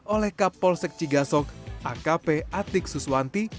oleh kapolsek cigasok akp atik suswanti